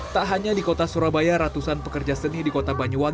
tak hanya di kota surabaya ratusan pekerja seni di kota banyuwangi